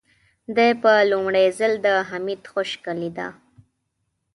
دې په لومړي ځل د حميد خشکه لېده.